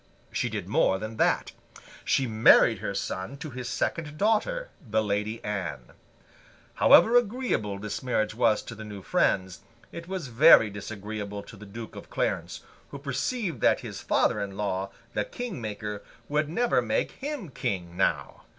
She did more than that; she married her son to his second daughter, the Lady Anne. However agreeable this marriage was to the new friends, it was very disagreeable to the Duke of Clarence, who perceived that his father in law, the King Maker, would never make him King, now.